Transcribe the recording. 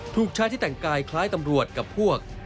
ถูกชายที่แต่งกายคล้ายตำรวจกับพวก